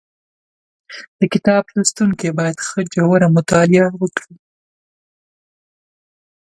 د کتاب لوستونکي باید ښه ژوره مطالعه وکړي